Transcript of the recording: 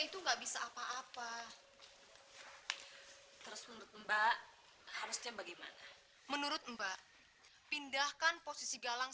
itu enggak bisa apa apa terus menurut mbak harusnya bagaimana menurut mbak pindahkan posisi galang